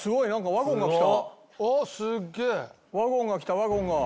ワゴンが来たワゴンが。